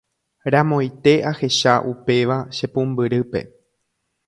Ramoite ahecha upéva che pumbyrýpe.